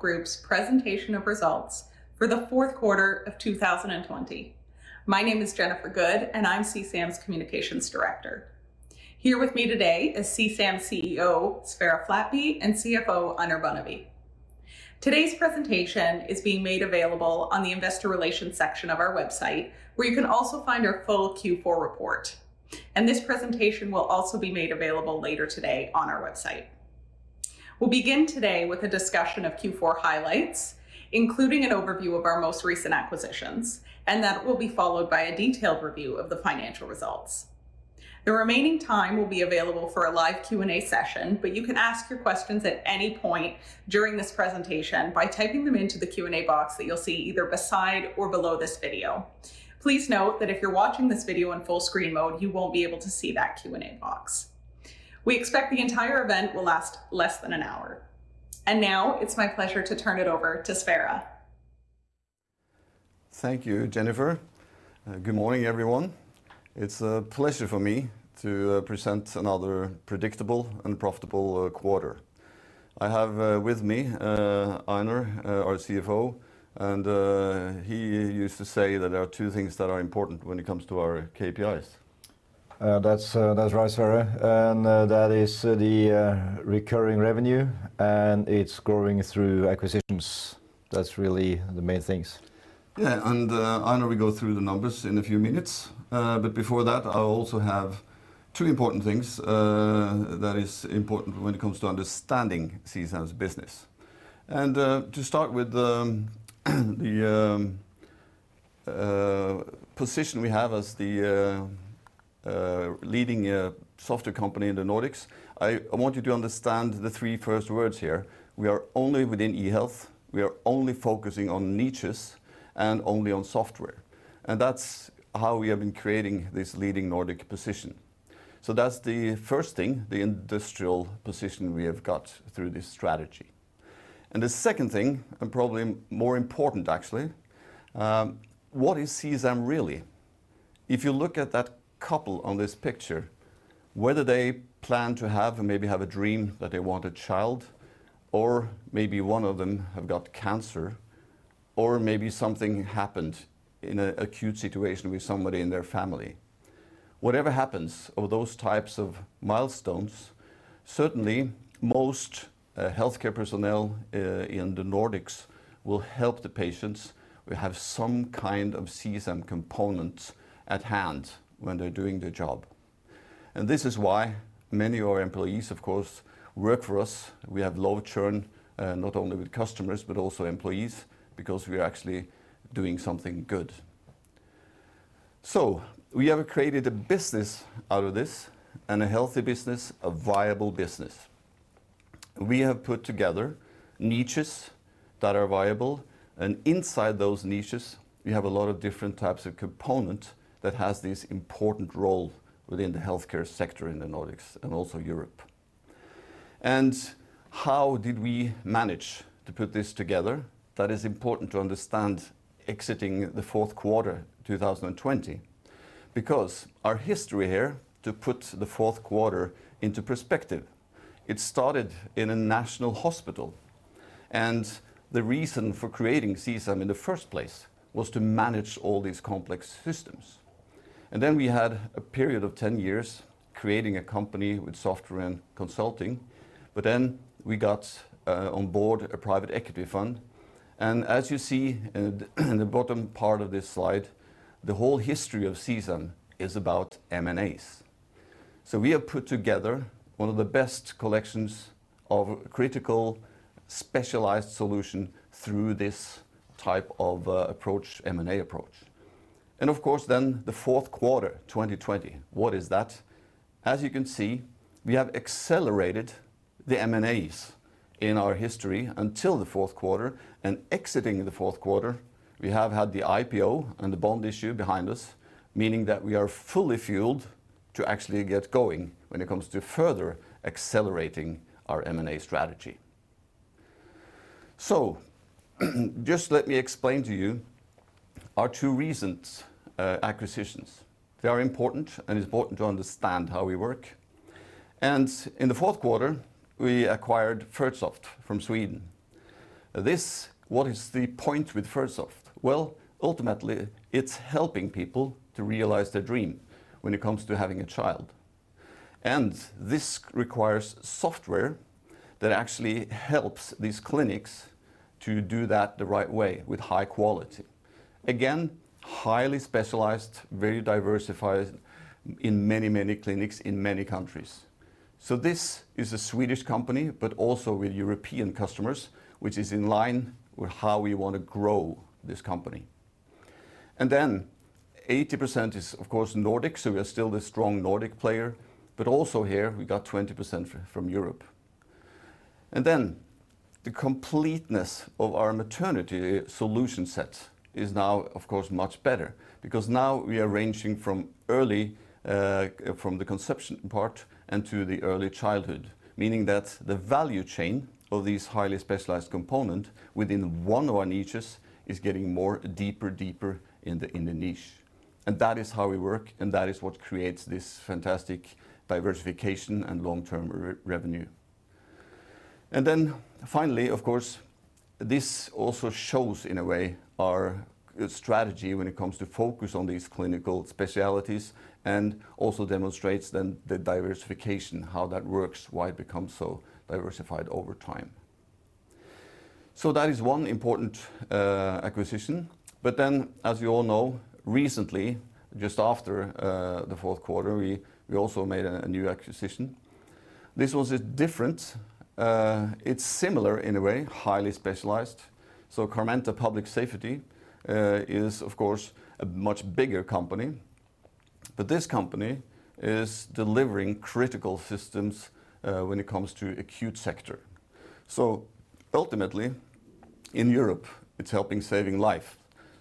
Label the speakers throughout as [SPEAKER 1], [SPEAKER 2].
[SPEAKER 1] Group's presentation of results for the fourth quarter of 2020. My name is Jennifer Goode, I'm CSAM's Communications Director. Here with me today is CSAM CEO, Sverre Flatby, and CFO, Einar Bonnevie. Today's presentation is being made available on the investor relations section of our website, where you can also find our full Q4 report. This presentation will also be made available later today on our website. We'll begin today with a discussion of Q4 highlights, including an overview of our most recent acquisitions, and that will be followed by a detailed review of the financial results. The remaining time will be available for a live Q&A session, but you can ask your questions at any point during this presentation by typing them into the Q&A box that you'll see either beside or below this video. Please note that if you're watching this video in full screen mode, you won't be able to see that Q&A box. We expect the entire event will last less than an hour. Now it's my pleasure to turn it over to Sverre.
[SPEAKER 2] Thank you, Jennifer. Good morning, everyone. It's a pleasure for me to present another predictable and profitable quarter. I have with me, Einar, our CFO. He used to say that there are two things that are important when it comes to our KPIs.
[SPEAKER 3] That's right, Sverre, and that is the recurring revenue, and it's growing through acquisitions. That's really the main things.
[SPEAKER 2] Yeah, Einar will go through the numbers in a few minutes. Before that, I also have two important things that is important when it comes to understanding CSAM's business. To start with the position we have as the leading software company in the Nordics, I want you to understand the three first words here. We are only within e-health, we are only focusing on niches, and only on software. That's how we have been creating this leading Nordic position. That's the first thing, the industrial position we have got through this strategy. The second thing, and probably more important actually, what is CSAM really? If you look at that couple on this picture, whether they plan to have and maybe have a dream that they want a child, or maybe one of them have got cancer, or maybe something happened in an acute situation with somebody in their family. Whatever happens of those types of milestones, certainly most healthcare personnel in the Nordics will help the patients, will have some kind of CSAM component at hand when they're doing their job. This is why many of our employees, of course, work for us. We have low churn, not only with customers, but also employees, because we are actually doing something good. We have created a business out of this, and a healthy business, a viable business. We have put together niches that are viable, and inside those niches, we have a lot of different types of component that has this important role within the healthcare sector in the Nordics, and also Europe. How did we manage to put this together? That is important to understand exiting the fourth quarter 2020, because our history here, to put the fourth quarter into perspective, it started in a national hospital, and the reason for creating CSAM in the first place was to manage all these complex systems. Then we had a period of 10 years creating a company with software and consulting, but then we got on board a private equity fund. As you see in the bottom part of this slide, the whole history of CSAM is about M&As. We have put together one of the best collections of critical, specialized solutions through this type of approach, M&A approach. Of course, the fourth quarter 2020, what is that? As you can see, we have accelerated the M&As in our history until the fourth quarter, and exiting the fourth quarter, we have had the IPO and the bond issue behind us, meaning that we are fully fueled to actually get going when it comes to further accelerating our M&A strategy. Just let me explain to you our two recent acquisitions. They are important, and it's important to understand how we work. In the fourth quarter, we acquired Fertsoft from Sweden. What is the point with Fertsoft? Well, ultimately, it's helping people to realize their dream when it comes to having a child. This requires software that actually helps these clinics to do that the right way with high quality. Again, highly specialized, very diversified in many clinics in many countries. This is a Swedish company, but also with European customers, which is in line with how we want to grow this company. Then 80% is, of course, Nordic, so we are still the strong Nordic player. Also here, we got 20% from Europe. Then the completeness of our maternity solution set is now, of course, much better because now we are ranging from early, from the conception part and to the early childhood, meaning that the value chain of this highly specialized component within one of our niches is getting more deeper in the niche. That is how we work, and that is what creates this fantastic diversification and long-term revenue. Finally, of course, this also shows, in a way, our strategy when it comes to focus on these clinical specialties and also demonstrates then the diversification, how that works, why it becomes so diversified over time. As you all know, recently, just after the fourth quarter, we also made a new acquisition. This was different. It's similar in a way, highly specialized. Carmenta Public Safety is, of course, a much bigger company, but this company is delivering critical systems when it comes to acute sector. Ultimately in Europe, it's helping saving life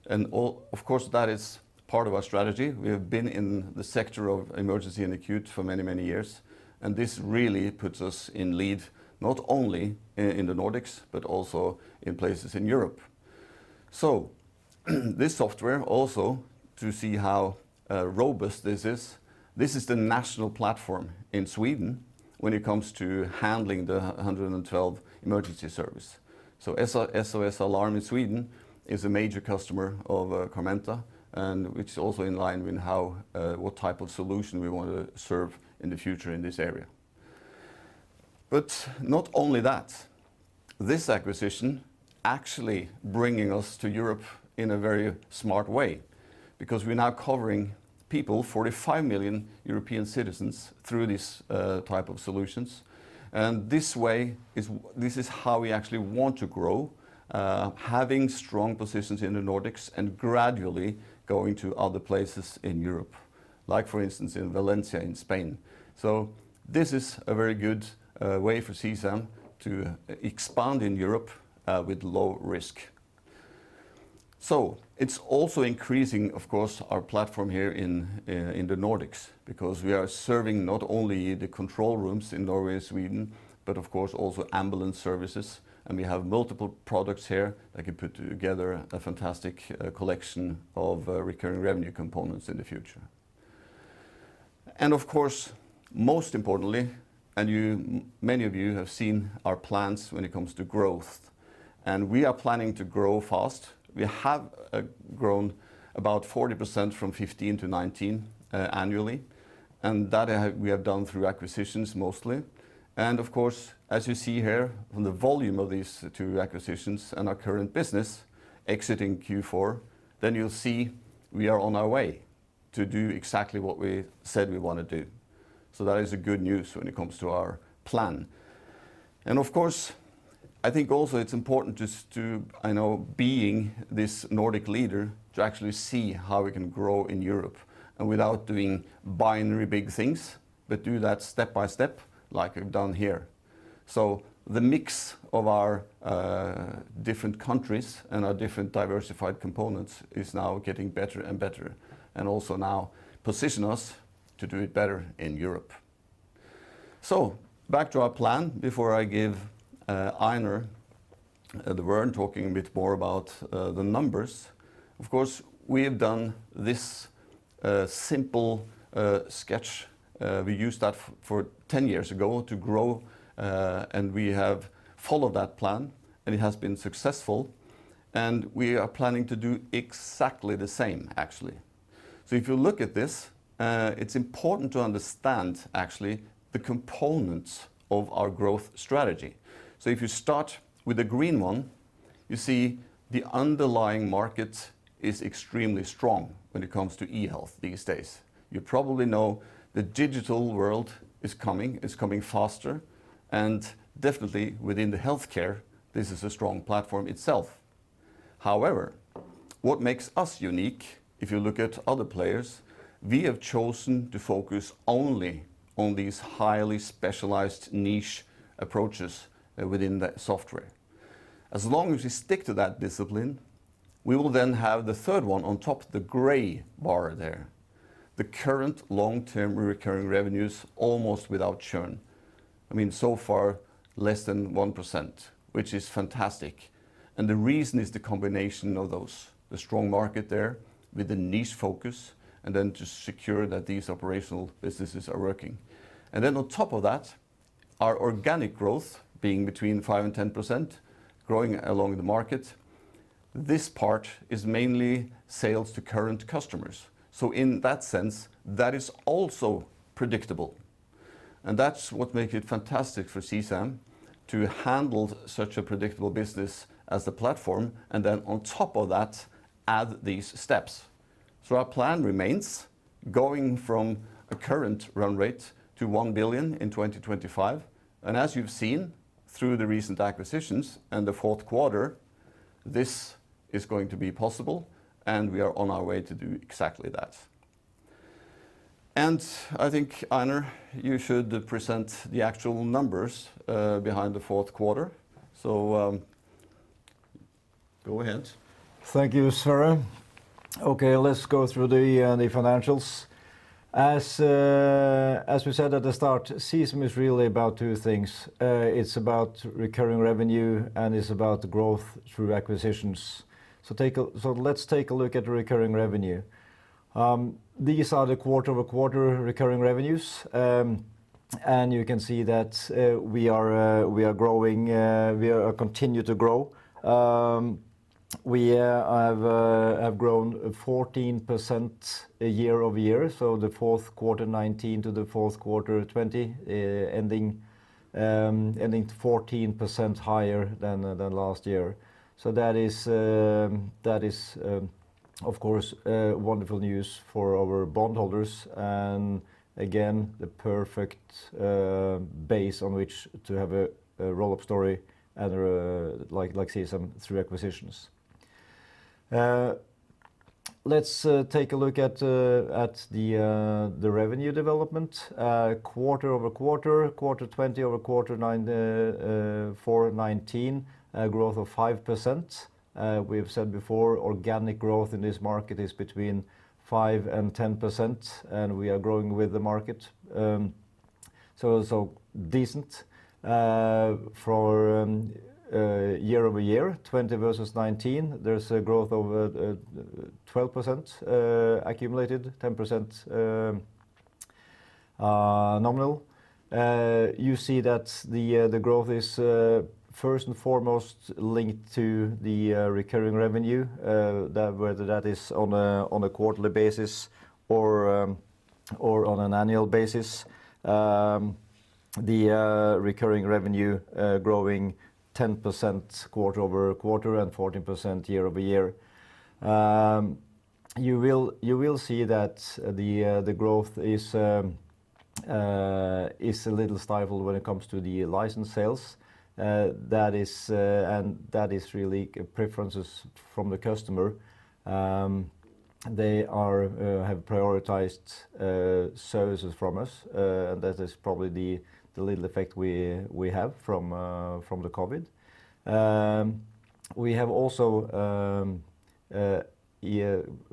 [SPEAKER 2] and of course, that is part of our strategy. We have been in the sector of emergency and acute for many, many years, and this really puts us in lead not only in the Nordics but also in places in Europe. This software also to see how robust this is, this is the national platform in Sweden when it comes to handling the 112 emergency service. SOS Alarm in Sweden is a major customer of Carmenta, and which is also in line with what type of solution we want to serve in the future in this area. Not only that, this acquisition actually bringing us to Europe in a very smart way because we're now covering people, 45 million European citizens, through this type of solutions. This way, this is how we actually want to grow, having strong positions in the Nordics and gradually going to other places in Europe, like for instance, in Valencia, in Spain. This is a very good way for CSAM to expand in Europe with low risk. It's also increasing, of course, our platform here in the Nordics because we are serving not only the control rooms in Norway and Sweden, but of course also ambulance services. We have multiple products here that can put together a fantastic collection of recurring revenue components in the future. Of course, most importantly, many of you have seen our plans when it comes to growth, we are planning to grow fast. We have grown about 40% from 2015 to 2019, annually, that we have done through acquisitions mostly. Of course, as you see here on the volume of these two acquisitions and our current business exiting Q4, you'll see we are on our way to do exactly what we said we want to do. That is a good news when it comes to our plan. Of course, I think also it's important just to, I know, being this Nordic leader, to actually see how we can grow in Europe without doing binary big things, but do that step by step like we've done here. The mix of our different countries and our different diversified components is now getting better and better, and also now position us to do it better in Europe. Back to our plan before I give Einar the turn talking a bit more about the numbers. Of course, we have done this simple sketch. We used that for 10 years ago to grow, and we have followed that plan, and it has been successful, and we are planning to do exactly the same, actually. If you look at this, it's important to understand actually the components of our growth strategy. If you start with the green one, you see the underlying market is extremely strong when it comes to e-health these days. You probably know the digital world is coming, it's coming faster and definitely within the healthcare, this is a strong platform itself. However, what makes us unique, if you look at other players, we have chosen to focus only on these highly specialized niche approaches within the software. As long as we stick to that discipline, we will then have the third one on top, the gray bar there, the current long-term recurring revenues, almost without churn. Far less than 1%, which is fantastic. The reason is the combination of those, the strong market there with the niche focus, and then to secure that these operational businesses are working. On top of that, our organic growth being between 5% and 10%, growing along the market. This part is mainly sales to current customers. In that sense, that is also predictable and that's what make it fantastic for CSAM to handle such a predictable business as the platform, and then on top of that, add these steps. Our plan remains going from a current run rate to 1 billion in 2025. As you've seen through the recent acquisitions and the fourth quarter, this is going to be possible, and we are on our way to do exactly that. I think, Einar, you should present the actual numbers behind the fourth quarter. Go ahead.
[SPEAKER 3] Thank you, Sverre. Let's go through the financials. As we said at the start, CSAM is really about two things. It's about recurring revenue, and it's about growth through acquisitions. Let's take a look at recurring revenue. These are the quarter-over-quarter recurring revenues. You can see that we are growing. We continue to grow. We have grown 14% year-over-year, the Q4 2019 to the Q4 2020, ending 14% higher than last year. That is, of course, wonderful news for our bondholders, and again, the perfect base on which to have a roll-up story like CSAM through acquisitions. Let's take a look at the revenue development quarter-over-quarter, Q4 2020 over Q4 2019, a growth of 5%. We have said before, organic growth in this market is between 5% and 10%, we are growing with the market. Decent. For year-over-year, 2020 versus 2019, there's a growth over 12% accumulated, 10% nominal. You see that the growth is first and foremost linked to the recurring revenue, whether that is on a quarterly basis or on an annual basis. The recurring revenue growing 10% quarter-over-quarter and 14% year-over-year. You will see that the growth is a little stifled when it comes to the license sales. That is really preferences from the customer. They have prioritized services from us, and that is probably the little effect we have from the COVID.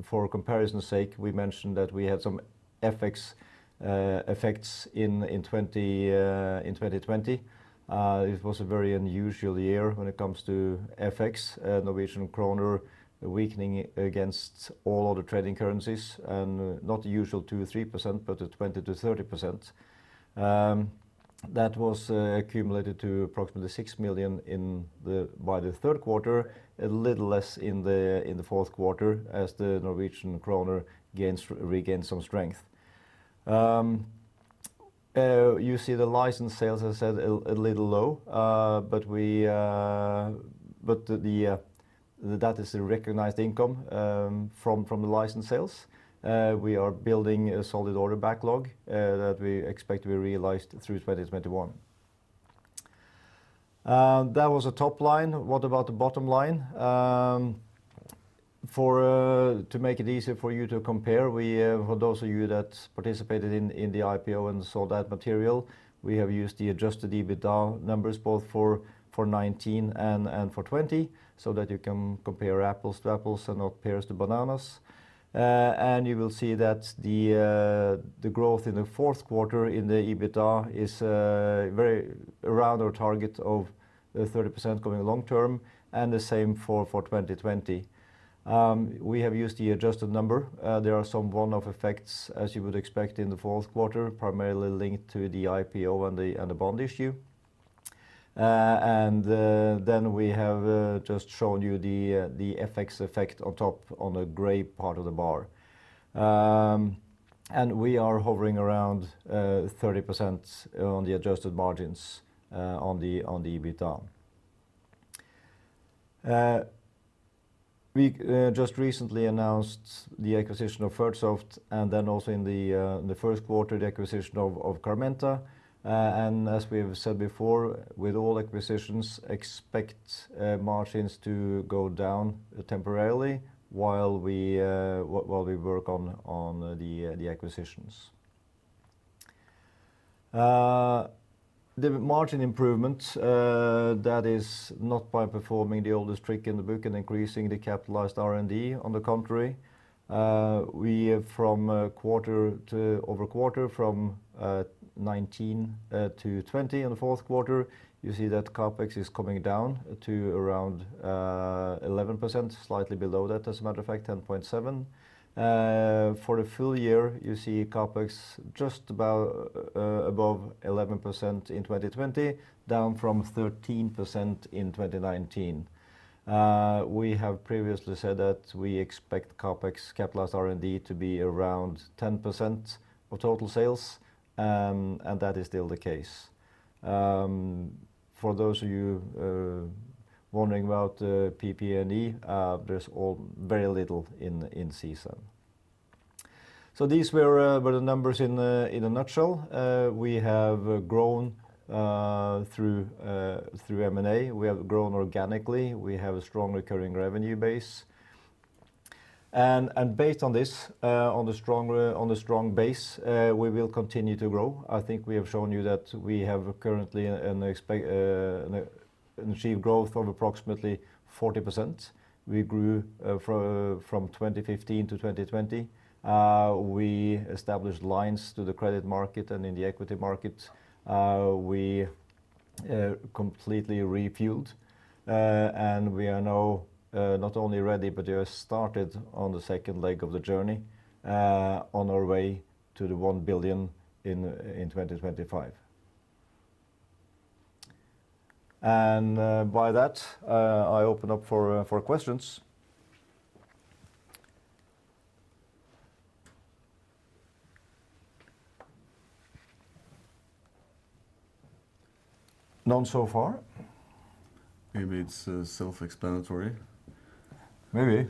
[SPEAKER 3] For comparison's sake, we mentioned that we had some effects in 2020. It was a very unusual year when it comes to FX, Norwegian kroner weakening against all other trading currencies, and not the usual 2% or 3%, but 20%-30%. That was accumulated to approximately 6 million by the third quarter, a little less in the fourth quarter as the Norwegian kroner regained some strength. You see the license sales, as I said, a little low, but that is the recognized income from the license sales. We are building a solid order backlog that we expect will be realized through 2021. That was the top line. What about the bottom line? To make it easier for you to compare, for those of you that participated in the IPO and saw that material, we have used the adjusted EBITDA numbers both for 2019 and for 2020 so that you can compare apples to apples and not pears to bananas. You will see that the growth in the fourth quarter in the EBITDA is around our target of 30% going long term and the same for 2020. We have used the adjusted number. There are some one-off effects, as you would expect in the fourth quarter, primarily linked to the IPO and the bond issue. Then we have just shown you the FX effect on top on the gray part of the bar. We are hovering around 30% on the adjusted margins on the EBITDA. We just recently announced the acquisition of Fertsoft and then also in the first quarter, the acquisition of Carmenta. As we have said before, with all acquisitions, expect margins to go down temporarily while we work on the acquisitions. The margin improvement, that is not by performing the oldest trick in the book and increasing the capitalized R&D. On the contrary, from quarter-over-quarter, from 2019 to 2020 in the fourth quarter, you see that CapEx is coming down to around 11%, slightly below that, as a matter of fact, 10.7%. For the full-year, you see CapEx just above 11% in 2020, down from 13% in 2019. We have previously said that we expect CapEx capitalized R&D to be around 10% of total sales, and that is still the case. For those of you wondering about PP&E, there's very little in CSAM. These were the numbers in a nutshell. We have grown through M&A. We have grown organically. We have a strong recurring revenue base. Based on this, on the strong base, we will continue to grow. I think we have shown you that we have currently achieved growth of approximately 40%. We grew from 2015 to 2020. We established lines to the credit market and in the equity market. We completely refueled. We are now not only ready, but we are started on the second leg of the journey on our way to the 1 billion in 2025. By that, I open up for questions. None so far.
[SPEAKER 2] Maybe it's self-explanatory.
[SPEAKER 3] Maybe.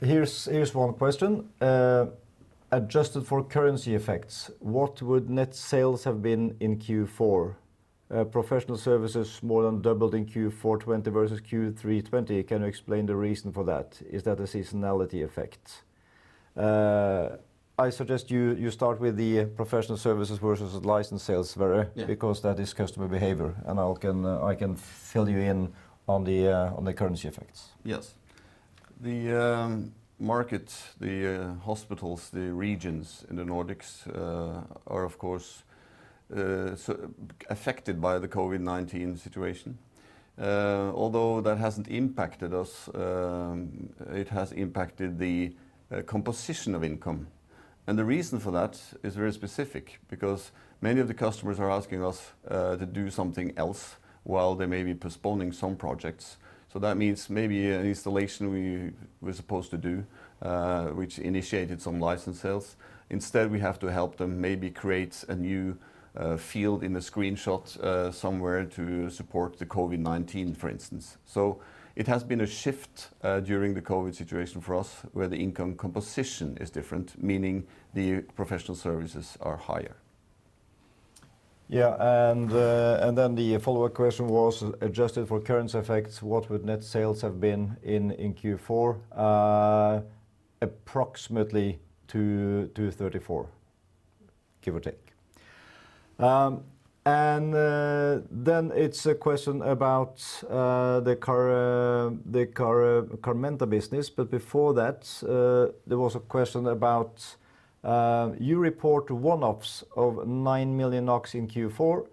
[SPEAKER 3] Here's one question. Adjusted for currency effects, what would net sales have been in Q4? Professional services more than doubled in Q4 2020 versus Q3 2020. Can you explain the reason for that? Is that a seasonality effect? I suggest you start with the professional services versus license sales, Sverre. Because that is customer behavior, and I can fill you in on the currency effects.
[SPEAKER 2] Yes. The market, the hospitals, the regions in the Nordics are, of course, affected by the COVID-19 situation. That hasn't impacted us, it has impacted the composition of income. The reason for that is very specific, because many of the customers are asking us to do something else while they may be postponing some projects. That means maybe an installation we were supposed to do, which initiated some license sales, instead, we have to help them maybe create a new field in the screenshot somewhere to support the COVID-19, for instance. It has been a shift during the COVID situation for us, where the income composition is different, meaning the professional services are higher.
[SPEAKER 3] Yeah. The follow-up question was, adjusted for currency effects, what would net sales have been in Q4? Approximately 234, give or take. It's a question about the Carmenta business, but before that, there was a question about, you report one-offs of 9 million NOK in Q4,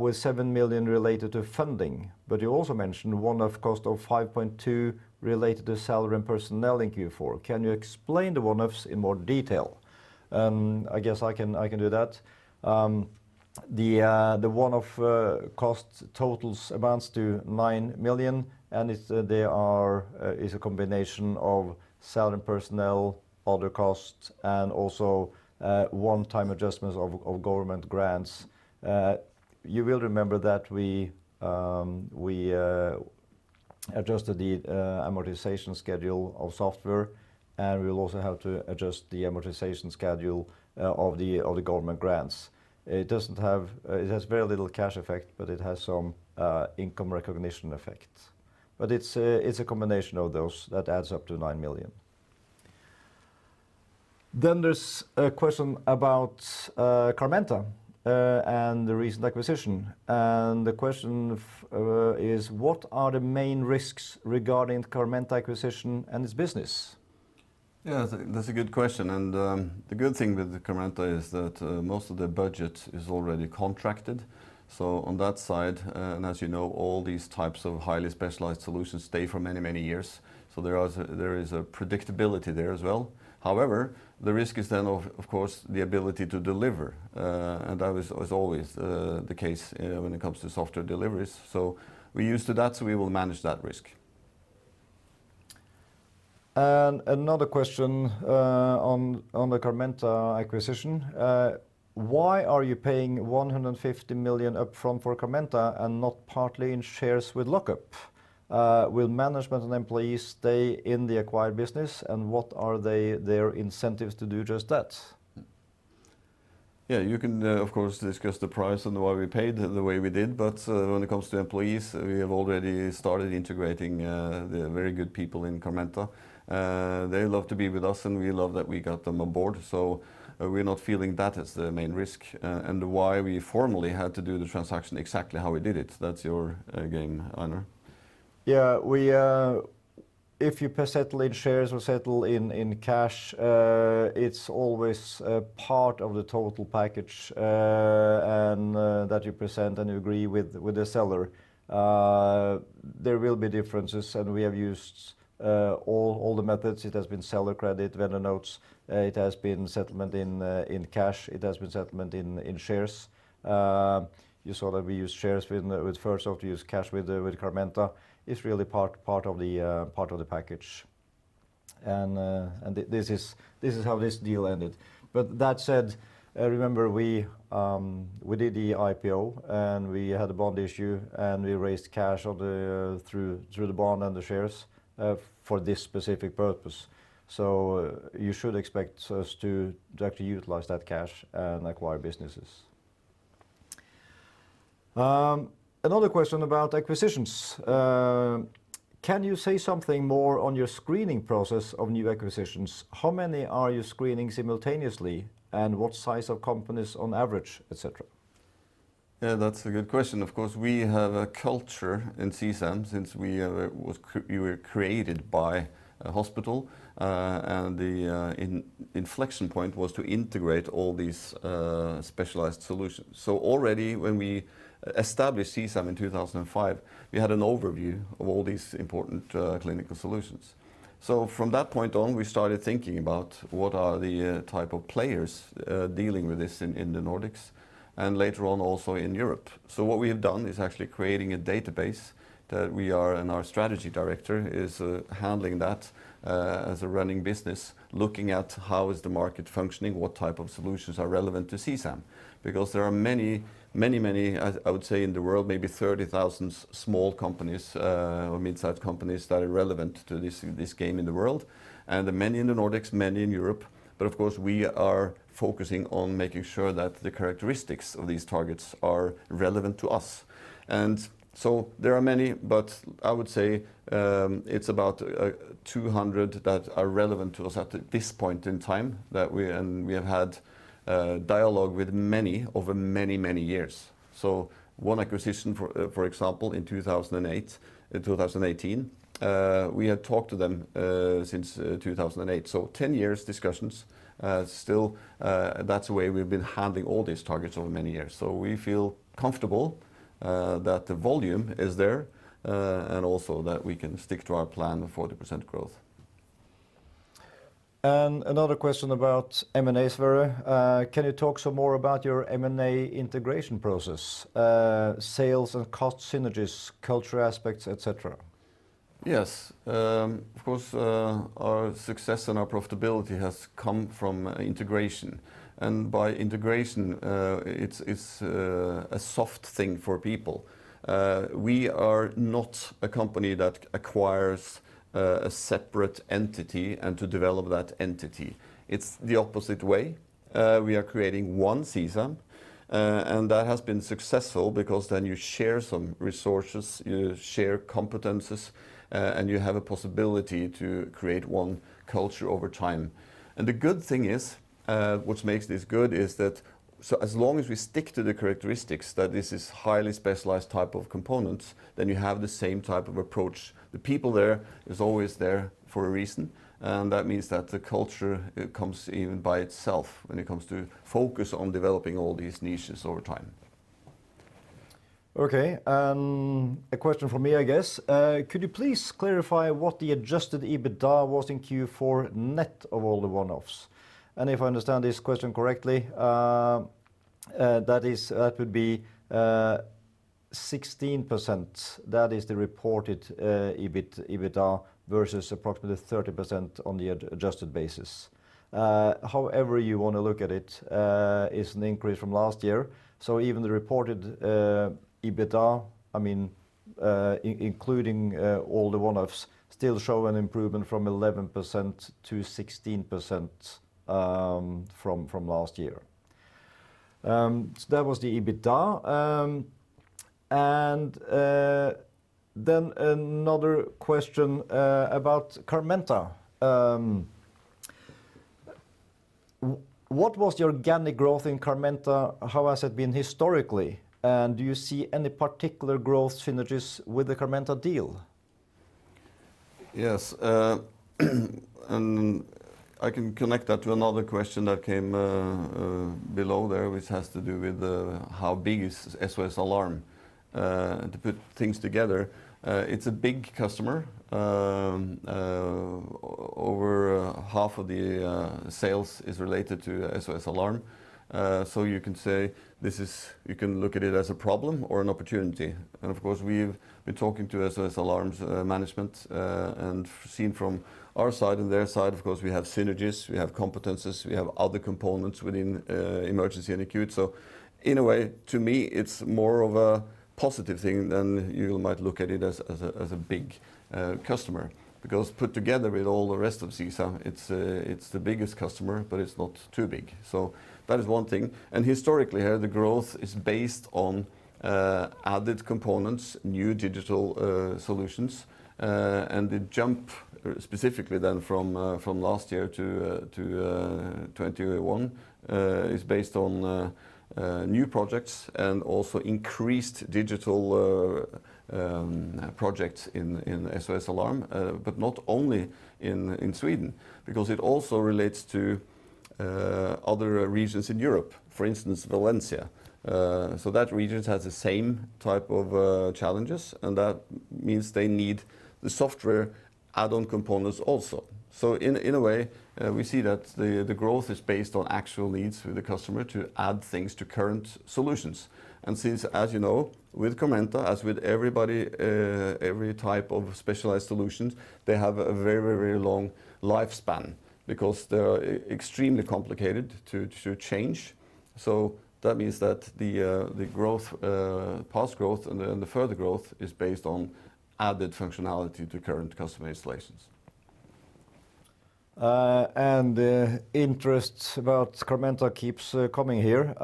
[SPEAKER 3] with 7 million related to funding. You also mentioned one-off cost of 5.2 million related to salary and personnel in Q4. Can you explain the one-offs in more detail? I guess I can do that. The one-off cost totals amounts to 9 million, it's a combination of salary, personnel, other costs, and also one-time adjustments of government grants. You will remember that we adjusted the amortization schedule of software, we will also have to adjust the amortization schedule of the government grants. It has very little cash effect, it has some income recognition effect. It's a combination of those that adds up to 9 million. There's a question about Carmenta and the recent acquisition. The question is, what are the main risks regarding the Carmenta acquisition and its business?
[SPEAKER 2] That's a good question. The good thing with the Carmenta is that most of the budget is already contracted. On that side, and as you know, all these types of highly specialized solutions stay for many years. There is a predictability there as well. However, the risk is then of course, the ability to deliver, and that is always the case when it comes to software deliveries. We're used to that, so we will manage that risk.
[SPEAKER 3] Another question on the Carmenta acquisition. Why are you paying 150 million upfront for Carmenta and not partly in shares with lockup? Will management and employees stay in the acquired business, and what are their incentives to do just that?
[SPEAKER 2] You can of course discuss the price and why we paid the way we did, but when it comes to employees, we have already started integrating the very good people in Carmenta. They love to be with us, and we love that we got them on board, so we're not feeling that as the main risk and why we formally had to do the transaction exactly how we did it. That's your game, Einar.
[SPEAKER 3] Yeah. If you settle in shares or settle in cash, it's always a part of the total package that you present and you agree with the seller. There will be differences. We have used all the methods. It has been seller credit, vendor notes. It has been settlement in cash. It has been settlement in shares. You saw that we used shares with Fertsoft, to use cash with Carmenta. It's really part of the package. This is how this deal ended. That said, remember we did the IPO, and we had a bond issue, and we raised cash through the bond and the shares for this specific purpose. You should expect us to directly utilize that cash and acquire businesses. Another question about acquisitions. Can you say something more on your screening process of new acquisitions? How many are you screening simultaneously, and what size of companies on average, et cetera?
[SPEAKER 2] That's a good question. Of course, we have a culture in CSAM since we were created by a hospital, and the inflection point was to integrate all these specialized solutions. Already when we established CSAM in 2005, we had an overview of all these important clinical solutions. From that point on, we started thinking about what are the type of players dealing with this in the Nordics and later on also in Europe. What we have done is actually creating a database and our strategy director is handling that as a running business, looking at how is the market functioning, what type of solutions are relevant to CSAM. There are many, I would say in the world, maybe 30,000 small companies or mid-size companies that are relevant to this game in the world, and many in the Nordics, many in Europe. Of course, we are focusing on making sure that the characteristics of these targets are relevant to us. There are many, but I would say it's about 200 that are relevant to us at this point in time. We have had dialogue with many over many, many years. One acquisition, for example, in 2018, we had talked to them since 2008, so 10 years discussions. That's the way we've been handling all these targets over many years. We feel comfortable that the volume is there, and also that we can stick to our plan of 40% growth.
[SPEAKER 3] Another question about M&As, Sverre. Can you talk some more about your M&A integration process, sales and cost synergies, cultural aspects, et cetera?
[SPEAKER 2] Yes. Of course, our success and our profitability has come from integration, and by integration, it's a soft thing for people. We are not a company that acquires a separate entity and to develop that entity. It's the opposite way. We are creating one CSAM, and that has been successful because then you share some resources, you share competencies, and you have a possibility to create one culture over time. What makes this good is that as long as we stick to the characteristics that this is highly specialized type of components, then you have the same type of approach. The people there is always there for a reason, and that means that the culture comes even by itself when it comes to focus on developing all these niches over time.
[SPEAKER 3] Okay. A question from me, I guess. Could you please clarify what the adjusted EBITDA was in Q4 net of all the one-offs? If I understand this question correctly, that would be 16%. That is the reported EBITDA versus approximately 30% on the adjusted basis. However you want to look at it, is an increase from last year. Even the reported EBITDA, including all the one-offs, still show an improvement from 11% to 16% from last year. That was the EBITDA. Another question about Carmenta. What was the organic growth in Carmenta? How has it been historically? Do you see any particular growth synergies with the Carmenta deal?
[SPEAKER 2] Yes. I can connect that to another question that came below there, which has to do with how big is SOS Alarm. To put things together, it's a big customer. Over half of the sales is related to SOS Alarm. You can look at it as a problem or an opportunity. Of course, we've been talking to SOS Alarm's management, and seen from our side and their side, of course, we have synergies, we have competencies, we have other components within emergency and acute. In a way, to me, it's more of a positive thing than you might look at it as a big customer, because put together with all the rest of CSAM, it's the biggest customer, but it's not too big. That is one thing. Historically, the growth is based on added components, new digital solutions, and the jump specifically then from last year to 2021 is based on new projects and also increased digital projects in SOS Alarm, but not only in Sweden, because it also relates to other regions in Europe, for instance, Valencia. That region has the same type of challenges, and that means they need the software add-on components also. In a way, we see that the growth is based on actual needs for the customer to add things to current solutions. Since, as you know, with Carmenta, as with every type of specialized solutions, they have a very long lifespan because they are extremely complicated to change. That means that the past growth and the further growth is based on added functionality to current customer installations.
[SPEAKER 3] The interest about Carmenta keeps coming here,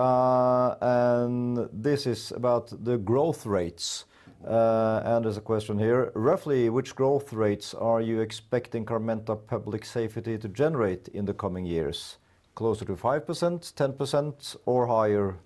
[SPEAKER 3] this is about the growth rates. There's a question here. Roughly which growth rates are you expecting Carmenta Public Safety to generate in the coming years? Closer to 5%, 10%, or higher?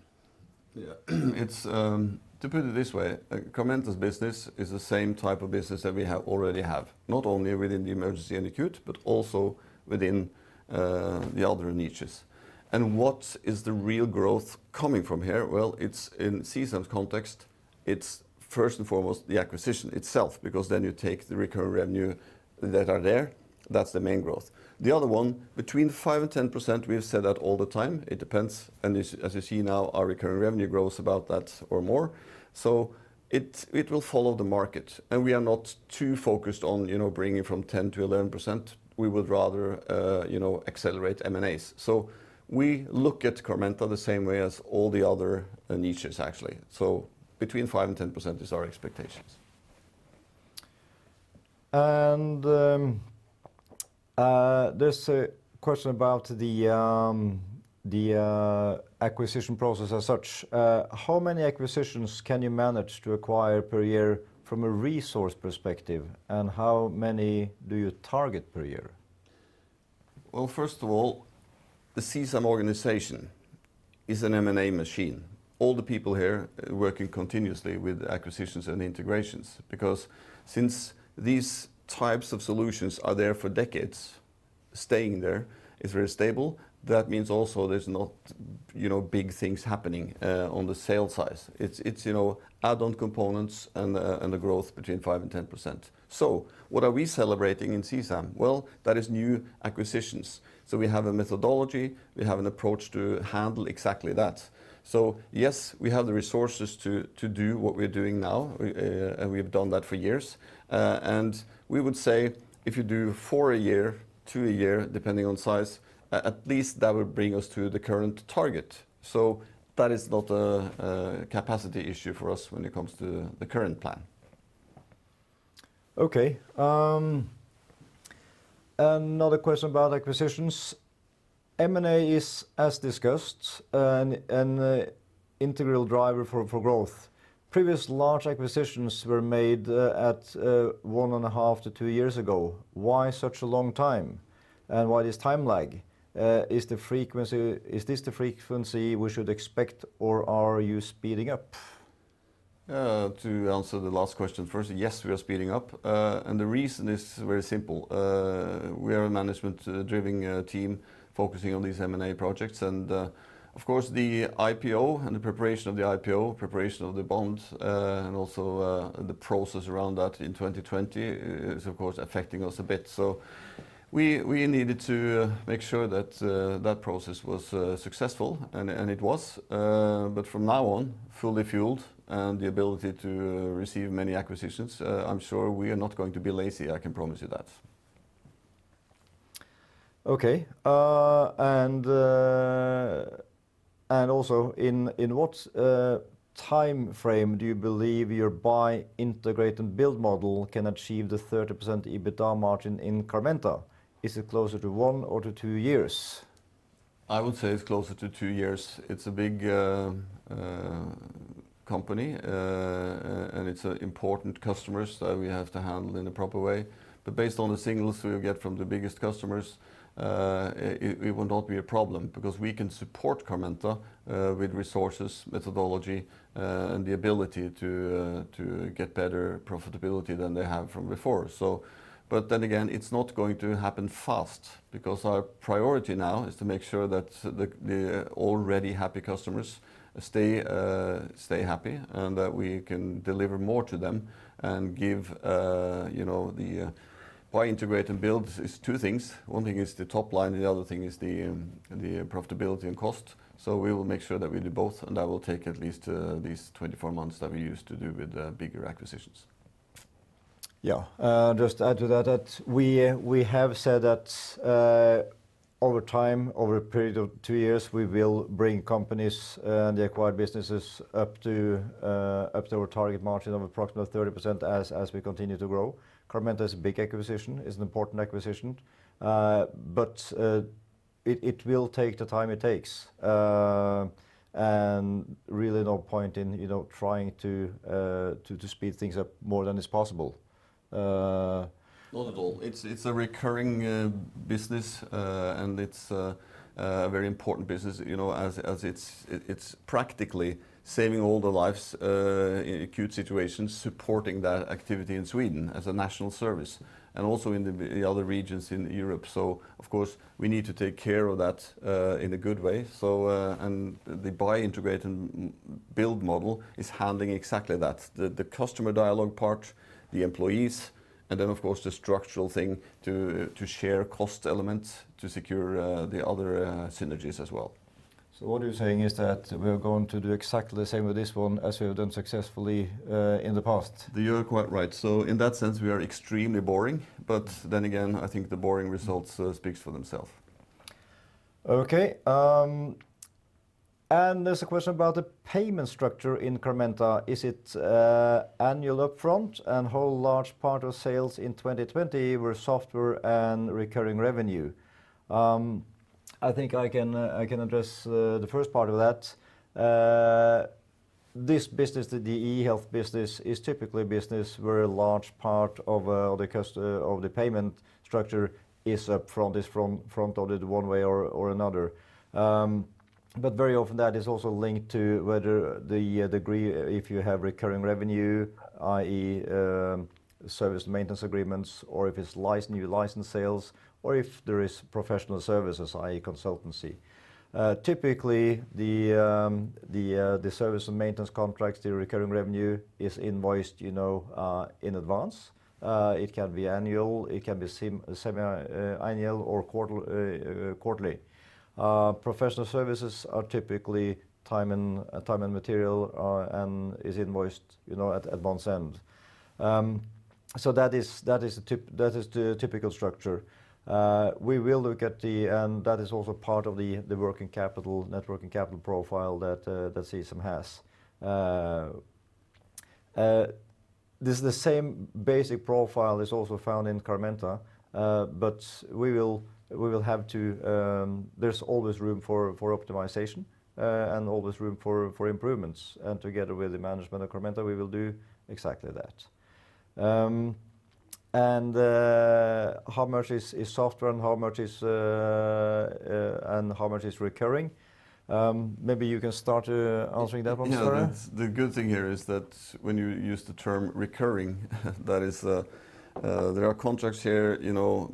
[SPEAKER 2] Yeah. To put it this way, Carmenta's business is the same type of business that we already have, not only within the emergency and acute, but also within the other niches. What is the real growth coming from here? Well, it's in CSAM's context, it's first and foremost the acquisition itself, because then you take the recurring revenue that are there, that's the main growth. The other one, between 5%-10%, we have said that all the time. It depends, and as you see now, our recurring revenue grows about that or more. It will follow the market. We are not too focused on bringing from 10%-11%. We would rather accelerate M&As. We look at Carmenta the same way as all the other niches actually. Between 5%-10% is our expectations.
[SPEAKER 3] There's a question about the acquisition process as such. How many acquisitions can you manage to acquire per year from a resource perspective, and how many do you target per year?
[SPEAKER 2] Well, first of all, the CSAM organization is an M&A machine. All the people here working continuously with acquisitions and integrations, because since these types of solutions are there for decades, staying there is very stable. That means also there's no big things happening on the sales side. It's add-on components and the growth between 5% and 10%. What are we celebrating in CSAM? Well, that is new acquisitions. We have a methodology, we have an approach to handle exactly that. Yes, we have the resources to do what we're doing now, and we've done that for years. We would say if you do four a year, two a year, depending on size, at least that would bring us to the current target. That is not a capacity issue for us when it comes to the current plan.
[SPEAKER 3] Okay. Another question about acquisitions. M&A is as discussed, an integral driver for growth. Previous large acquisitions were made at one and a half to two years ago. Why such a long time, and why this time lag? Is this the frequency we should expect, or are you speeding up?
[SPEAKER 2] To answer the last question first, yes, we are speeding up. The reason is very simple. We are a management-driven team focusing on these M&A projects. Of course, the IPO and the preparation of the IPO, preparation of the bonds, and also the process around that in 2020 is, of course, affecting us a bit. We needed to make sure that that process was successful, and it was. From now on, fully fueled and the ability to receive many acquisitions, I'm sure we are not going to be lazy, I can promise you that.
[SPEAKER 3] Okay. Also, in what time frame do you believe your buy, integrate, and build model can achieve the 30% EBITDA margin in Carmenta? Is it closer to one or to two years?
[SPEAKER 2] I would say it's closer to two years. It's a big company, and it's important customers that we have to handle in a proper way. Based on the signals we get from the biggest customers, it will not be a problem because we can support Carmenta with resources, methodology, and the ability to get better profitability than they have from before. It's not going to happen fast because our priority now is to make sure that the already happy customers stay happy, and that we can deliver more to them and give the buy, integrate, and build is two things. One thing is the top line, and the other thing is the profitability and cost. We will make sure that we do both, and that will take at least these 24 months that we used to do with the bigger acquisitions.
[SPEAKER 3] Yeah. Just to add to that, we have said that, over time, over a period of two years, we will bring companies and the acquired businesses up to our target margin of approximately 30% as we continue to grow. Carmenta is a big acquisition, is an important acquisition. It will take the time it takes. Really no point in trying to speed things up more than is possible.
[SPEAKER 2] Not at all. It's a recurring business, and it's a very important business, as it's practically saving all the lives in acute situations, supporting that activity in Sweden as a national service, and also in the other regions in Europe. Of course, we need to take care of that in a good way. The buy, integrate, and build model is handling exactly that. The customer dialogue part, the employees, and then, of course, the structural thing to share cost elements to secure the other synergies as well.
[SPEAKER 3] What you're saying is that we are going to do exactly the same with this one as we have done successfully in the past.
[SPEAKER 2] You are quite right. In that sense, we are extremely boring. I think the boring results speak for themselves.
[SPEAKER 3] Okay. There's a question about the payment structure in Carmenta. Is it annual upfront? How large part of sales in 2020 were software and recurring revenue? I think I can address the first part of that. This business, the e-health business, is typically a business where a large part of the payment structure is front-loaded one way or another. Very often that is also linked to whether the degree, if you have recurring revenue, i.e., service maintenance agreements, or if it's new license sales, or if there is professional services, i.e., consultancy. Typically, the service and maintenance contracts, the recurring revenue is invoiced in advance. It can be annual, it can be semi-annual, or quarterly. Professional services are typically time and material, and is invoiced at advance end. That is the typical structure. We will look at that is also part of the working capital, net working capital profile that CSAM has. The same basic profile is also found in Carmenta, but there's always room for optimization and always room for improvements. Together with the management of Carmenta, we will do exactly that. How much is software and how much is recurring? Maybe you can start answering that one, Sverre.
[SPEAKER 2] The good thing here is that when you use the term recurring, there are contracts here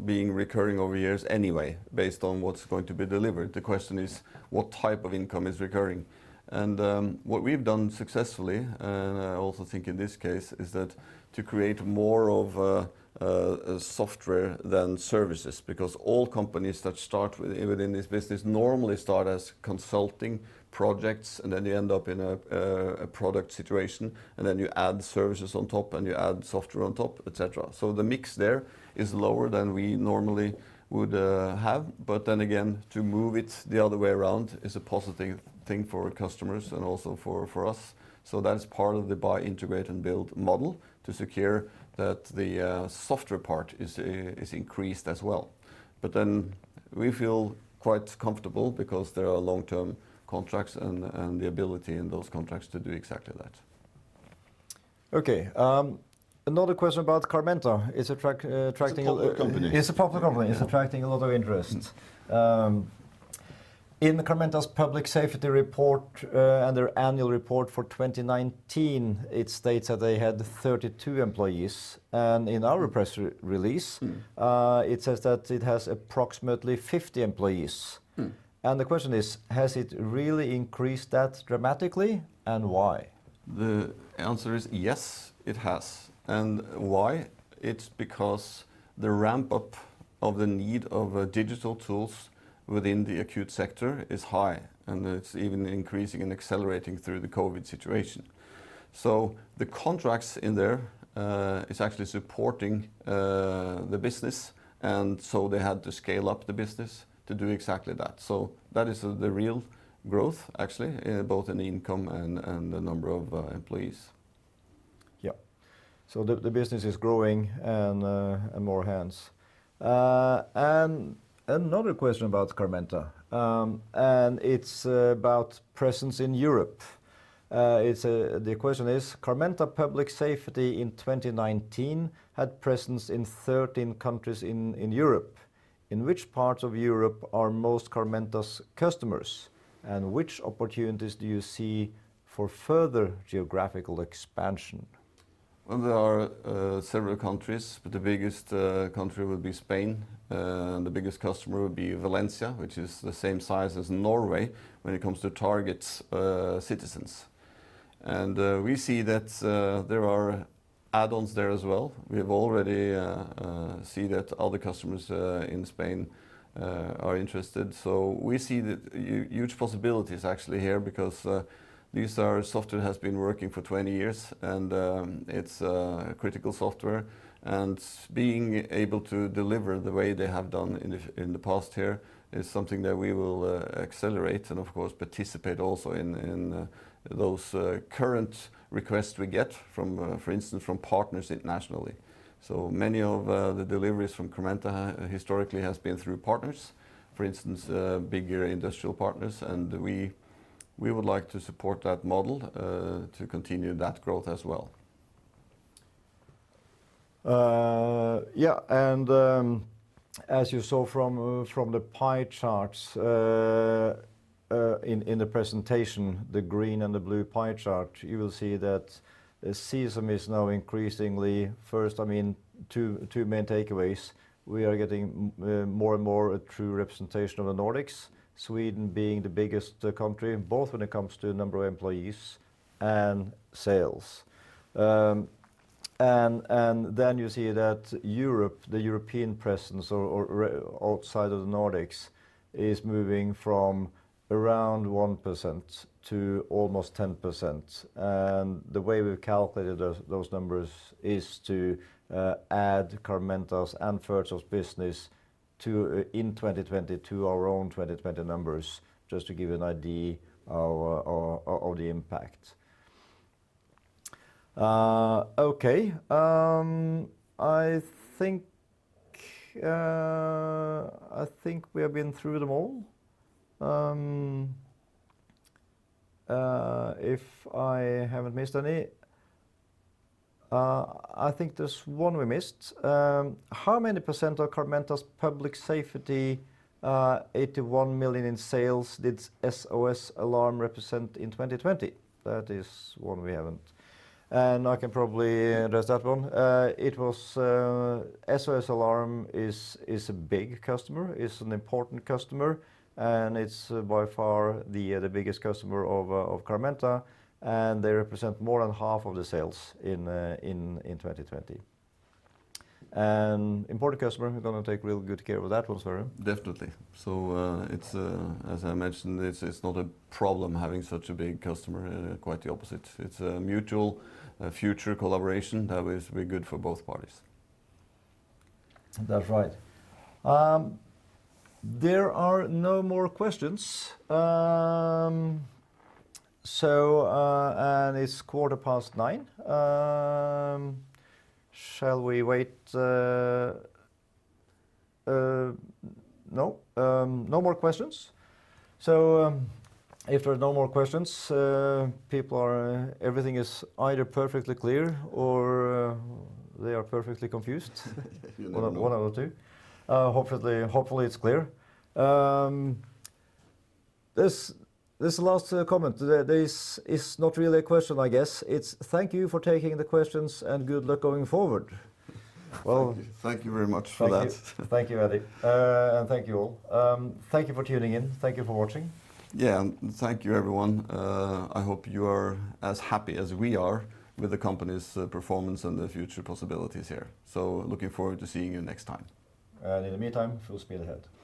[SPEAKER 2] being recurring over years anyway, based on what's going to be delivered. The question is, what type of income is recurring? What we've done successfully, and I also think in this case, is that to create more of software than services, because all companies that start within this business normally start as consulting projects, and then they end up in a product situation, and then you add services on top, and you add software on top, et cetera. The mix there is lower than we normally would have. Again, to move it the other way around is a positive thing for customers and also for us. That's part of the buy, integrate, and build model to secure that the software part is increased as well. We feel quite comfortable because there are long-term contracts and the ability in those contracts to do exactly that.
[SPEAKER 3] Okay. Another question about Carmenta.
[SPEAKER 2] It's a public company.
[SPEAKER 3] It's a public company. It's attracting a lot of interest. In Carmenta's public safety report and their annual report for 2019, it states that they had 32 employees. In our press release, it says that it has approximately 50 employees. The question is, has it really increased that dramatically, and why?
[SPEAKER 2] The answer is yes, it has. Why? It's because the ramp-up of the need of digital tools within the acute sector is high, and it's even increasing and accelerating through the COVID situation. The contracts in there, it's actually supporting the business. They had to scale up the business to do exactly that. That is the real growth, actually, both in income and the number of employees.
[SPEAKER 3] Yeah. The business is growing and more hands. Another question about Carmenta, and it's about presence in Europe. The question is, Carmenta Public Safety in 2019 had presence in 13 countries in Europe. In which parts of Europe are most of Carmenta's customers, and which opportunities do you see for further geographical expansion?
[SPEAKER 2] There are several countries, but the biggest country would be Spain, and the biggest customer would be Valencia, which is the same size as Norway when it comes to target citizens. We see that there are add-ons there as well. We already see that other customers in Spain are interested. We see huge possibilities actually here because this software has been working for 20 years, and it's critical software. Being able to deliver the way they have done in the past here is something that we will accelerate and of course participate also in those current requests we get, for instance, from partners internationally. Many of the deliveries from Carmenta historically has been through partners, for instance, bigger industrial partners, and we would like to support that model to continue that growth as well.
[SPEAKER 3] Yeah. As you saw from the pie charts in the presentation, the green and the blue pie chart, you will see that CSAM is now increasingly two main takeaways. We are getting more and more a true representation of the Nordics, Sweden being the biggest country, both when it comes to number of employees and sales. You see that Europe, the European presence or outside of the Nordics, is moving from around 1% to almost 10%. The way we've calculated those numbers is to add Carmenta's and Virtual business in 2020 to our own 2020 numbers, just to give you an idea of the impact. Okay. I think we have been through them all. If I haven't missed any. I think there's one we missed. How many % of Carmenta Public Safety, 81 million in sales, did SOS Alarm represent in 2020? That is one we haven't. I can probably address that one. SOS Alarm is a big customer, is an important customer, and it's by far the biggest customer of Carmenta, and they represent more than half of the sales in 2020. An important customer, we're going to take real good care of that one, Sverre.
[SPEAKER 2] Definitely. As I mentioned, it's not a problem having such a big customer. Quite the opposite. It's a mutual future collaboration that will be good for both parties.
[SPEAKER 3] That's right. There are no more questions. It's quarter past nine. Shall we wait? No? No more questions? If there are no more questions, everything is either perfectly clear or they are perfectly confused.
[SPEAKER 2] You never know.
[SPEAKER 3] One out of two. Hopefully, it's clear. This last comment, this is not really a question, I guess. It's, "Thank you for taking the questions and good luck going forward.
[SPEAKER 2] Thank you. Thank you very much for that.
[SPEAKER 3] Thank you. Thank you Eddie. Thank you all. Thank you for tuning in. Thank you for watching.
[SPEAKER 2] Yeah. Thank you, everyone. I hope you are as happy as we are with the company's performance and the future possibilities here. Looking forward to seeing you next time.
[SPEAKER 3] In the meantime, full speed ahead.